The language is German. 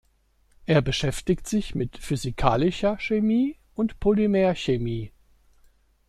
Er beschäftigt sich mit physikalischer Chemie und Polymerchemie.